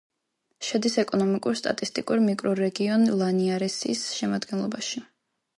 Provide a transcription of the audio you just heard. შედის ეკონომიკურ-სტატისტიკურ მიკრორეგიონ ლინიარესის შემადგენლობაში.